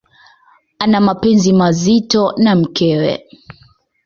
Ana mapenzi mazito na mkewe.